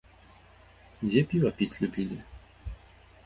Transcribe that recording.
Дзе піва піць любілі?